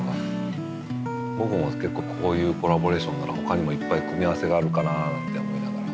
僕も結構こういうコラボレーションなら他にもいっぱい組み合わせがあるかななんて思いながら。